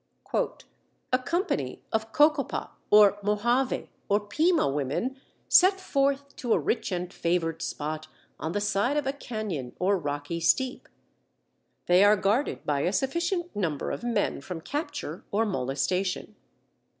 "A company of Cocopa or Mohave or Pima women set forth to a rich and favoured spot on the side of a cañon or rocky steep. They are guarded by a sufficient number of men from capture or molestation.